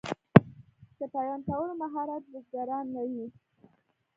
د پیوند کولو مهارت بزګران لري.